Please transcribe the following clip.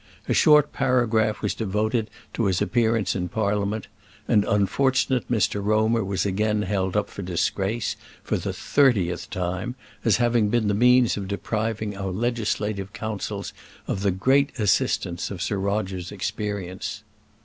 A short paragraph was devoted to his appearance in Parliament; and unfortunate Mr Romer was again held up for disgrace, for the thirtieth time, as having been the means of depriving our legislative councils of the great assistance of Sir Roger's experience.